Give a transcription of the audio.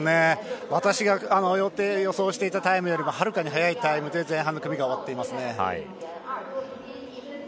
私が予想していたタイムよりもはるかに早いタイムで前半の組が終わっています。